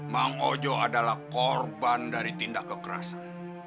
mang ojo adalah korban dari tindak kekerasan